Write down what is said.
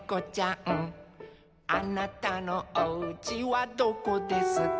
「あなたのおうちはどこですか」